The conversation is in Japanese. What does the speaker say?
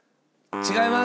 違います。